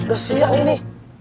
udah siang ini